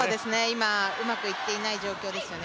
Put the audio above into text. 今、うまくいっていない状況ですよね。